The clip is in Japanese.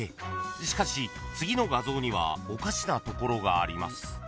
［しかし次の画像にはおかしなところがあります］